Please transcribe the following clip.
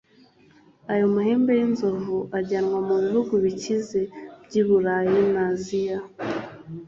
Ayo mahembe y’inzovu ajyanwa mu bihugu bikize by’Iburayi na Aziya